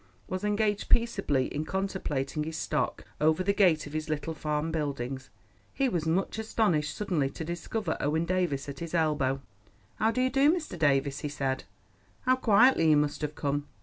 —was engaged peaceably in contemplating his stock over the gate of his little farm buildings, he was much astonished suddenly to discover Owen Davies at his elbow. "How do you do, Mr. Davies?" he said; "how quietly you must have come."